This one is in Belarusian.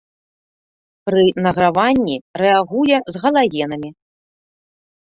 Пры награванні рэагуе з галагенамі.